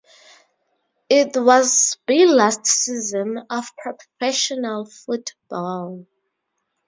It was be last season of professional football.